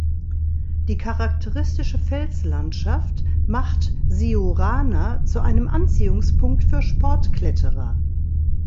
Die charakteristische Felslandschaft macht Siurana zu einem Anziehungspunkt für Sportkletterer.